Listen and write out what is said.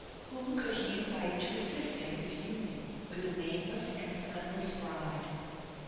Whom could he invite to assist at his union with a nameless and friendless bride?